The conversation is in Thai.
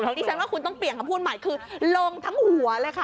ดิฉันว่าคุณต้องเปลี่ยนคำพูดใหม่คือลงทั้งหัวเลยค่ะ